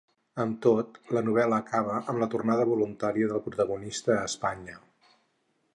Amb tot, la novel·la acaba amb la tornada voluntària del protagonista a Espanya.